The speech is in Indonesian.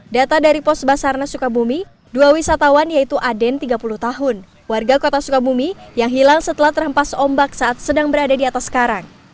data dari pos basarnas sukabumi dua wisatawan yaitu aden tiga puluh tahun warga kota sukabumi yang hilang setelah terhempas ombak saat sedang berada di atas karang